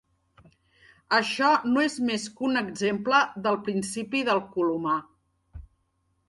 Això no és més que un exemple del principi del colomar.